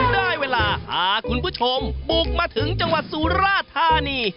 ได้เวลาพาคุณผู้ชมบุกมาถึงจังหวัดสุราธานี